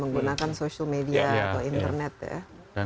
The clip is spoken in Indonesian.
menggunakan social media atau internet ya